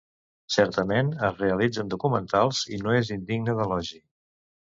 Certament es realitzen documentals, i no és indigne d'elogi.